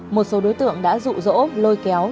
một số đối tượng đã dụ dỗ lôi kéo